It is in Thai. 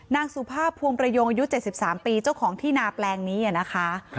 นางสุภาพพวงประโยงอายุ๗๓ปีเจ้าของที่นาแปลงนี้นะคะ